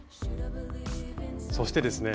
そしてですね